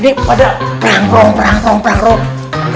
ini pada perang perang perang perang perang perang